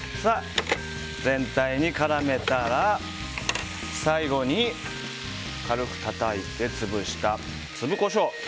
全体に絡めたら最後に軽くたたいて潰した粒コショウ